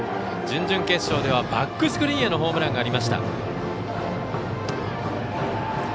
準々決勝ではバックスクリーンへのホームランがありました。